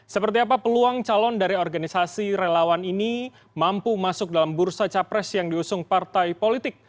seperti apa peluang calon dari organisasi relawan ini mampu masuk dalam bursa capres yang diusung partai politik